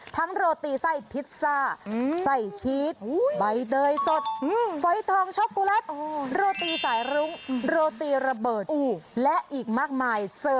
ทั้งโรตีไส้พิสซาไส้ชีสใบเนยสดไฟทองช็อคกูลัท